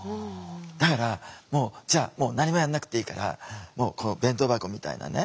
だからもうじゃあ何もやんなくていいからこの弁当箱みたいなね